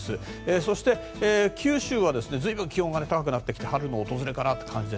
そして、九州は随分、気温が高くなってきて春の訪れかなという感じで。